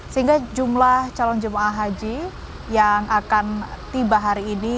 sehingga jumlah calon jemaah haji yang akan tiba hari ini